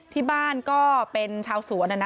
ที่บ้านก็เป็นชาวสวน